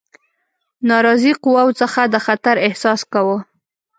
ناراضي قواوو څخه د خطر احساس کاوه.